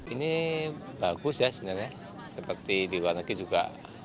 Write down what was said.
ini bagus ya sebenarnya seperti di warneke juga